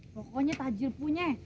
pokoknya tajir punya